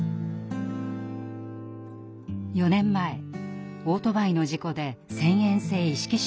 ４年前オートバイの事故で遷延性意識障害になりました。